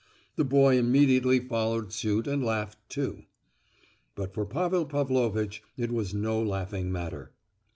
The boy immediately followed suit and laughed too. But for Pavel Pavlovitch it was no laughing matter.